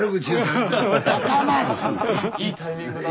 いいタイミングだな。